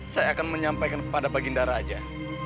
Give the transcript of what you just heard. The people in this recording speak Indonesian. saya akan menyampaikan kepada baginda raja